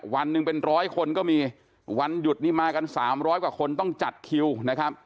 วันหนึ่งเป็นร้อยคนก็มีวันหยุดนี่มากันสามร้อยกว่าคนต้องจัดคิวนะครับ